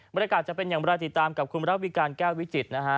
บรรยากาศจะเป็นอย่างราวติดตามกับคุณบรรยาภิการแก้ววิจิตรนะฮะ